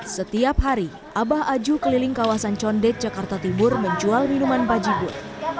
setiap hari abah aju keliling kawasan condet jakarta tibur menjual minuman bajibur